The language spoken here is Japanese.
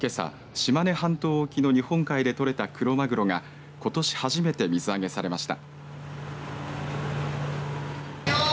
島根半島沖の日本海で取れたクロマグロがことし初めて水揚げされました。